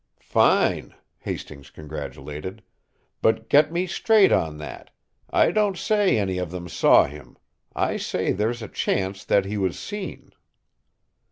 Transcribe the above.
"Fine!" Hastings congratulated. "But get me straight on that: I don't say any of them saw him; I say there's a chance that he was seen."